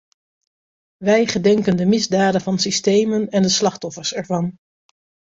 Wij gedenken de misdaden van systemen en de slachtoffers ervan.